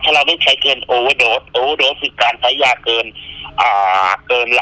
ถ้าเราไม่ใช้เกณฑ์อยู่แล้วก็โอเวอร์โดษน์ติดตามภายยาเกิน